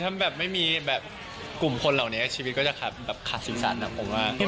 คือถ้าแบบไม่มีแบบกลุ่มคนเหล่านี้ชีวิตก็จะขาดสีสันอ่ะผมว่า